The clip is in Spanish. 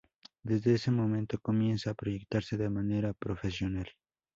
Desde este momento comienza a proyectarse de manera profesional.